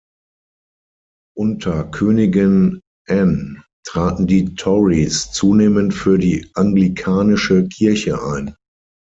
Unter Königin Anne traten die Tories zunehmend für die Anglikanische Kirche ein.